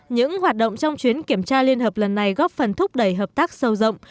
những hoạt động trong chuyến kiểm tra liên hợp lần này góp phần thúc đẩy hợp tác sâu rộng